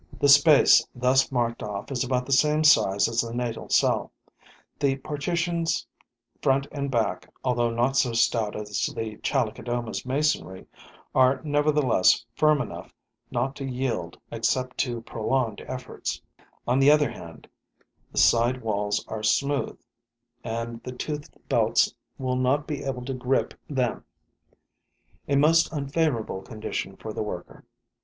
The space thus marked off is about the same size as the natal cell. The partitions front and back, although not so stout as the Chalicodoma's masonry, are nevertheless firm enough not to yield except to prolonged efforts; on the other hand, the side walls are smooth and the toothed belts will not be able to grip them: a most unfavorable condition for the worker.